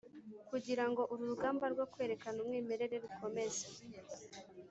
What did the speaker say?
kugirango uru rugamba rwo kwerekana umwimerere rukomeze